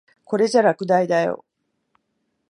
これじゃ落第だよ。